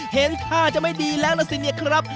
เห็นท่าจะไม่ดีแล้วล่ะสิเนี่ยครับ